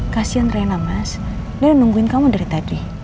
kasian rena mas udah nungguin kamu dari tadi